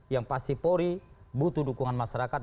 yang pasti polri butuh dukungan masyarakat